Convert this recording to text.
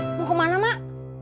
mak mau ke mana mak